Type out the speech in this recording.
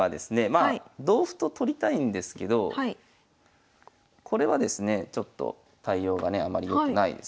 まあ同歩と取りたいんですけどこれはですねちょっと対応がねあまりよくないですね。